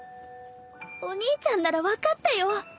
お兄ちゃんなら分かってよ。